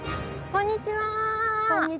こんにちは。